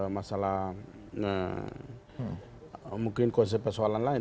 masalah mungkin konsep persoalan lain